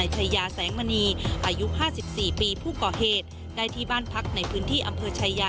ชัยยาแสงมณีปกเอจอายุ๕๔ปีได้ที่บ้านพักไดที่บ้านพักในพื้นที่อำเภอชัยยา